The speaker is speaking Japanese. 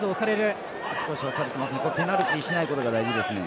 ペナルティーしないことが大事ですね。